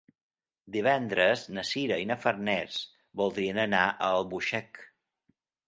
Divendres na Sira i na Farners voldrien anar a Albuixec.